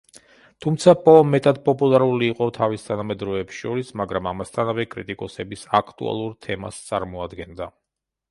თუმცა, პო მეტად პოპულარული იყო თავის თანამედროვეებს შორის, მაგრამ ამასთანავე კრიტიკოსების აქტუალურ თემას წარმოადგენდა.